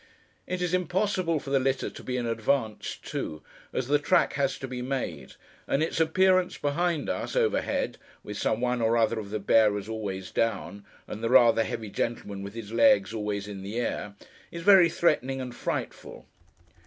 It is impossible for the litter to be in advance, too, as the track has to be made; and its appearance behind us, overhead—with some one or other of the bearers always down, and the rather heavy gentleman with his legs always in the air—is very threatening and frightful.